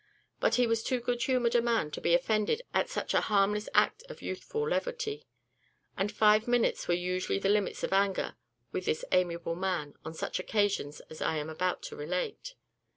But he was too good humoured a man to be offended at such a harmless act of youthful levity; and five minutes were usually the limits of anger with this amiable man, on such occasions as I am about to relate.